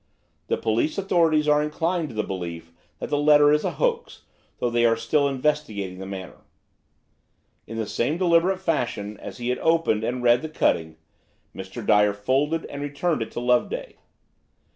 The police authorities are inclined to the belief that the letter is a hoax, though they are still investigating the matter." In the same deliberate fashion as he had opened and read the cutting, Mr. Dyer folded and returned it to Loveday.